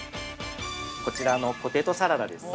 ◆こちらのポテトサラダです。